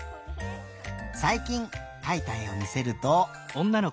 さいきんかいたえをみせると。